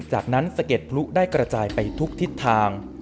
จากนั้นสะเก็ดพลุได้กระจายไปทุกทิศทาง